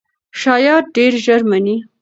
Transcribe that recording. شایعات ډېر ژر مني.